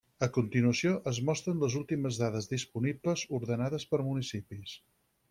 A continuació es mostren les últimes dades disponibles ordenades per municipis.